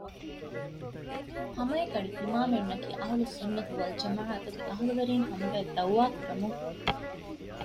ހަމައެކަނި ތިމާމެންނަކީ އަހުލު ސުއްނަތު ވަލްޖަމާޢަތުގެ އަހުލުވެރިން ކަމުގައި ދަޢުވާ ކުރަމުން